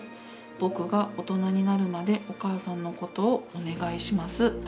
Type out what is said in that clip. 僕が大人になるまでお母さんのことをお願いします」